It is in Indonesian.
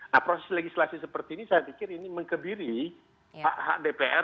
nah proses legislasi seperti ini saya pikir ini mengebiri hak hak dpr